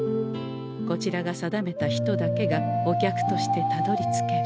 こちらが定めた人だけがお客としてたどりつける。